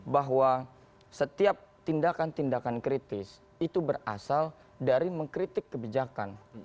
bahwa setiap tindakan tindakan kritis itu berasal dari mengkritik kebijakan